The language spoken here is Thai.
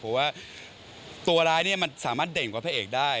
เพราะว่าตัวร้ายเนี่ยมันสามารถเด่นกว่าพระเอกได้